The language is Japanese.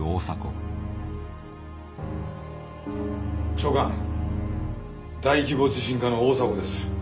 長官大規模地震課の大迫です。